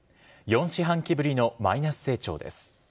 ４四半期ぶりのマイナス成長です。